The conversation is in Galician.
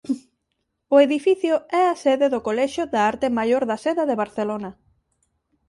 O edificio é a sede do Colexio da arte Maior da Seda de Barcelona.